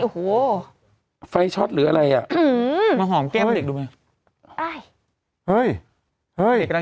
สวัสดีครับคุณผู้ชม